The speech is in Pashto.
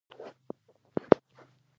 رقیب زما د ځان د پرمختګ وسیله ده